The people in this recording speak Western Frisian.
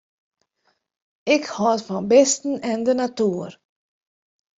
Ik hâld fan bisten en de natuer.